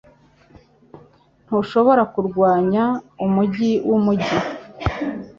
Ntushobora kurwanya umujyi wumujyi